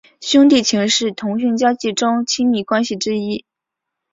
兄弟情是同性交际中的亲密关系之一。